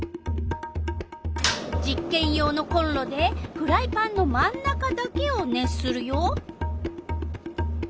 実けん用のコンロでフライパンの真ん中だけを熱するよ。